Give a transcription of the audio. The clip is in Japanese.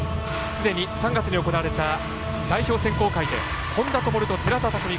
すでに３月に行われた代表選考会で本多灯と寺田拓未